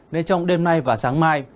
nên trong đêm nay và sáng mai